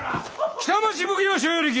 北町奉行所与力